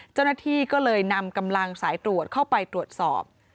เจ้าหน้าที่ก็เลยนำกำลังสายตรวจเข้าไปตรวจสอบ